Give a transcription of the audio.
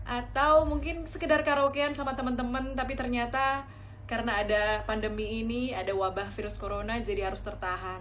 atau mungkin sekedar karaokean sama teman teman tapi ternyata karena ada pandemi ini ada wabah virus corona jadi harus tertahan